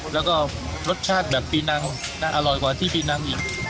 แล้วก็รสชาติแบบปีนังอร่อยกว่าที่ปีนังอีก